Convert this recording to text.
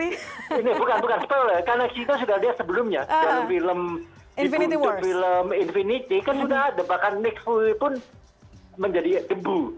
ini bukan bukan spoiler karena kita sudah lihat sebelumnya dalam film infinity war kan sudah ada bahkan nick fury pun menjadi debu